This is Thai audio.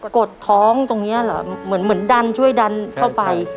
กดท้องตรงนี้เหรอเหมือนเหมือนดันช่วยดันเข้าไป